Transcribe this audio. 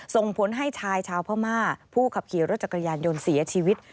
ส่งผลให้ชายชาวพม่าผู้ขับขี่รถจักรยานยนต์เสียชีวิต